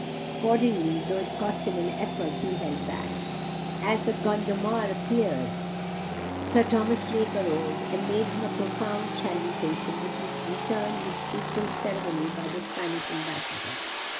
Accordingly, though it cost him an effort, he held back. As the Conde de Gondomar appeared, Sir Thomas Lake arose, and made him a profound salutation, which was returned with equal ceremony by the Spanish Ambassador.